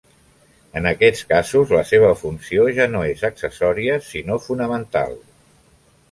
En aquests casos la seva funció ja no és accessòria sinó fonamental.